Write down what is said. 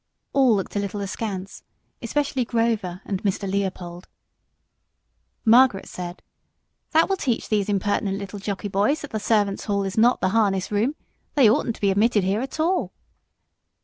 All looked a little askance, especially Grover and Mr. Leopold. Margaret said "That will teach these impertinent little jockey boys that the servants' hall is not the harness room; they oughtn't to be admitted here at all."